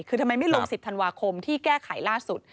คือทำไมไม่ลง๑๐ธันวาคมที่แก้ไขล่าสุด